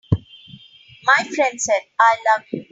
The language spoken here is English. My friend said: "I love you.